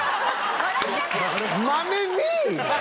笑っちゃった。